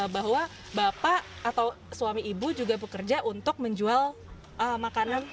bahwa bapak atau suami ibu juga bekerja untuk menjual makanan